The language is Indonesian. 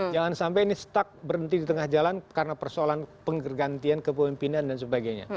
jangan sampai ini stuck berhenti di tengah jalan karena persoalan penggantian kepemimpinan dan sebagainya